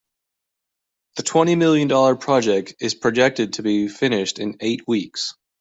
The twenty million dollar project is projected to be finished in eight weeks.